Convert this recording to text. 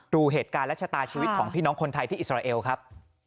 ดูเหตุการณ์และชะตาชีวิตของพี่น้องคนไทยที่อิสราเอลครับ